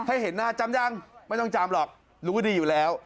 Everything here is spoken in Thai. ให้เห็นหน้าจำยังไม่ต้องจำหรอกรู้ดีอยู่แล้ว